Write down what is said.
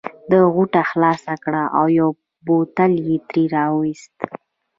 ده غوټه خلاصه کړه او یو بوتل یې ترې را وایست.